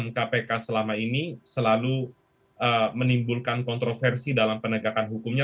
kalau melihat memang langgam kpk selama ini selalu menimbulkan kontroversi dalam penegakan hukumnya